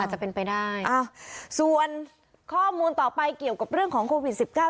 จะเป็นไปได้ส่วนข้อมูลต่อไปเกี่ยวกับเรื่องของโควิด๑๙